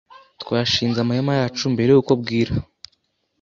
Twashinze amahema yacu mbere yuko bwira.